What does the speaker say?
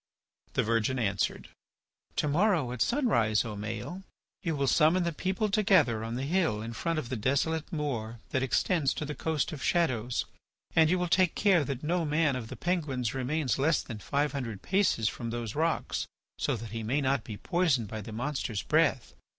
The virgin answered: "To morrow at sunrise, O Maël, you will summon the people together on the hill in front of the desolate moor that extends to the Coast of Shadows, and you will take care that no man of the Penguins remains less than five hundred paces from those rocks so that he may not be poisoned by the monster's breath.